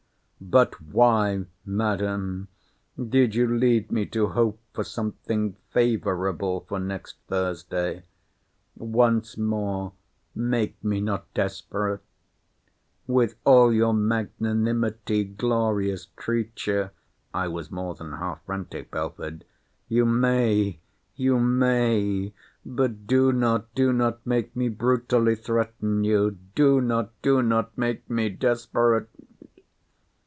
But why, Madam, did you lead me to hope for something favourable for next Thursday?—Once more, make me not desperate—With all your magnanimity, glorious creature! [I was more than half frantic, Belford,] you may, you may—but do not, do not make me brutally threaten you—do not, do not make me desperate!